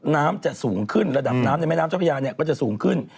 น้ำจะสูงขึ้นระดับน้ำในแม่น้ำเจ้าพระยาเนี่ยก็จะสูงขึ้น